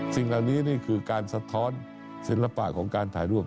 สิ่งเหล่านี้นี่คือการสะท้อนศิลปะของการถ่ายรูป